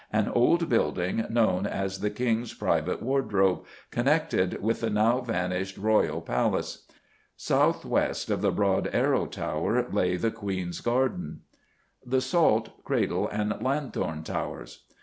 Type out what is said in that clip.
an old building known as the King's Private Wardrobe, connected with the now vanished Royal Palace. South west of the Broad Arrow Tower lay the Queen's Garden. _The Salt, Cradle, and Lanthorn Towers.